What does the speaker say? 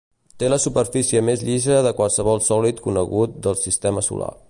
Té la superfície més llisa de qualsevol sòlid conegut del sistema solar.